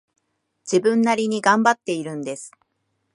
自分なりに頑張っているんです